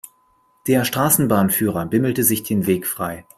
Der Straßenbahnführer bimmelte sich den Weg frei.